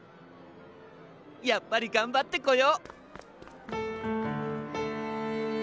やっぱりがんばってこよう！